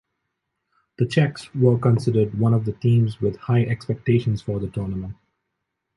The Czechs were considered one of the teams with high expectations for the tournament.